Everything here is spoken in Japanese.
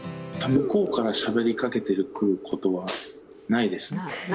向こうからしゃべりかけてくることはないですね。